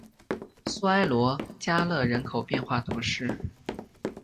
苏埃罗加勒人口变化图示